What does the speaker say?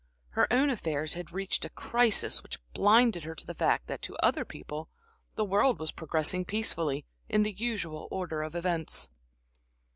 Her own affairs had reached a crisis which blinded her to the fact that to other people, the world was progressing peacefully, in the usual order of events.